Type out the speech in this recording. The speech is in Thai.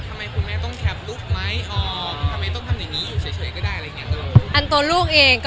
ทำไมคุณแม่ต้องแคปลูกไหมออกทำไมต้องทำอย่างนี้อยู่เฉยก็ได้อะไรอย่างนี้